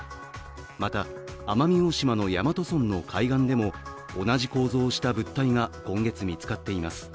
また、奄美大島の大和村の海岸でも同じ構造をした物体が今月見つかっています。